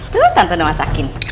tuh tante udah masakin